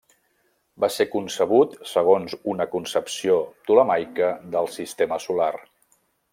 Va ser concebut segons una concepció ptolemaica del sistema solar.